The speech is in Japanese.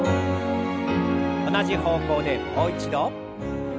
同じ方向でもう一度。